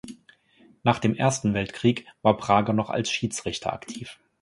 Nach dem Ersten Weltkrieg war Prager noch als Schiedsrichter aktiv.